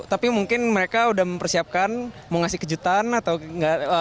tapi mungkin mereka sudah mempersiapkan mau ngasih kejutan atau enggak